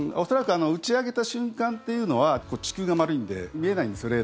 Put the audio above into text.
恐らく打ち上げた瞬間っていうのは地球が丸いので見えないんです。